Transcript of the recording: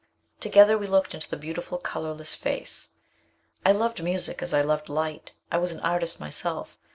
Together we looked into the beautiful colorless face. I loved music as I loved light. I was an artist myself.